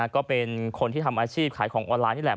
ก็เป็นคนที่ทำอาชีพขายของออนไลน์นี่แหละ